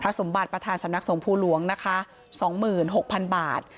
พระสมบัติประธานสำนักศงภูหลวงนะคะสองหมื่นหกพันบาท